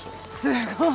すごい。